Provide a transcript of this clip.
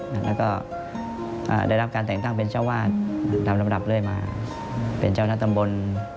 แล้วก็ได้รับการแต่งตั้งเป็นเจ้าวาดตามลำดับเรื่อยมาเป็นเจ้าหน้าที่ตำบล